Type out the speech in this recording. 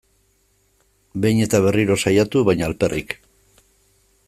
Behin eta berriro saiatu, baina alferrik.